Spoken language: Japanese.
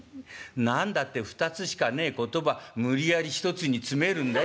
何だって２つしかねえ言葉無理やり１つに詰めるんだよ。